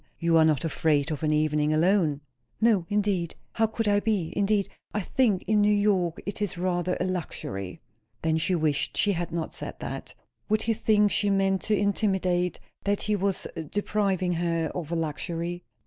"You are not afraid of an evening alone!" "No, indeed; how could I be? Indeed, I think in New York it is rather a luxury." Then she wished she had not said that. Would he think she meant to intimate that he was depriving her of a luxury?